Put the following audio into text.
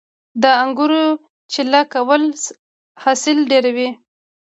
د انګورو چیله کول حاصل ډیروي